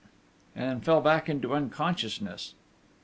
and fell back into unconsciousness.